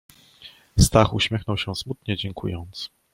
"Stach uśmiechał się smutnie, dziękując."